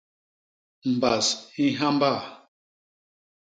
Mbas i nhamba.